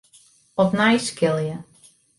Opnij skilje.